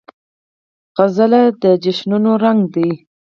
سندره د جشنونو رنګ ده